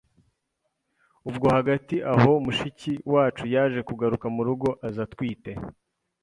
ubwo hagati aho mushiki wacu yaje kugaruka mu rugo aza atwite